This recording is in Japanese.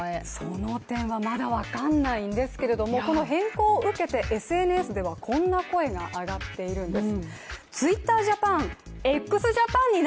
その点はまだ分からないんですけれどもこの変更を受けて、ＳＮＳではこんな声が上がっているんです。